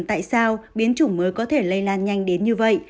tại sao biến chủng mới có thể lây lan nhanh đến như vậy